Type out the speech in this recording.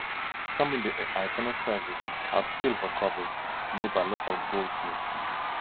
Some in the iconostasis have silver covers made by local goldsmiths.